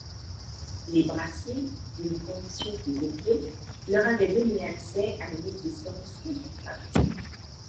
Les Brassier, d'une condition plus élevée, leur avaient donné accès à une existence confortable.